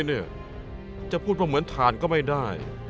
จะพูดว่าเหมือนทานก็ไม่ได้